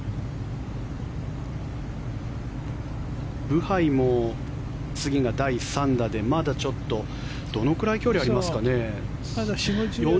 ブハイも次が第３打でまだちょっとどのくらい距離がありますかね。